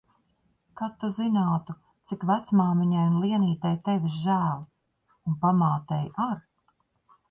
Kad tu zinātu, cik vecmāmiņai un Lienītei tevis žēl. Un pamātei ar.